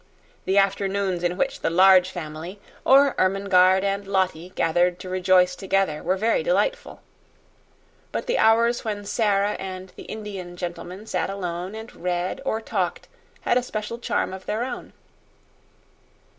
The afternoons in which the Large Family, or Ermengarde and Lottie, gathered to rejoice together were very delightful. But the hours when Sara and the Indian gentleman sat alone and read or talked had a special charm of their own.